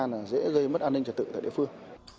là dễ gây mất an ninh trật tự tại địa phương